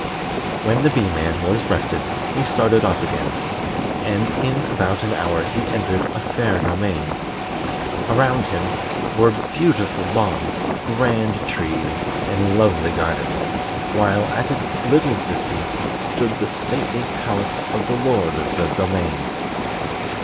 '" When the Bee man was rested he started off again, and in about an hour he entered a fair domain. Around him were beautiful lawns, grand trees, and lovely gardens; while at a little distance stood the stately palace of the Lord of the Domain.